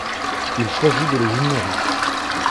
Il choisit de les ignorer.